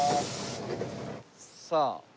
さあ。